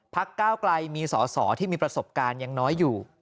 ก้าวไกลมีสอสอที่มีประสบการณ์ยังน้อยอยู่